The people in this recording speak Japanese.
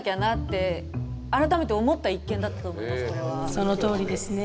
そのとおりですね。